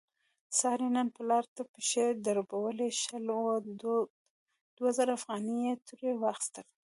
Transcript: سارې نن پلار ته پښې دربولې، شله وه دوه زره افغانۍ یې ترې واخستلې.